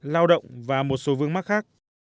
lao động và một số vương mắc khác